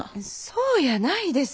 そうやないです。